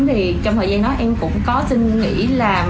thì trong thời gian đó em cũng có suy nghĩ là